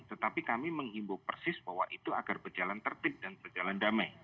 tetapi kami menghimbau persis bahwa itu agar berjalan tertib dan berjalan damai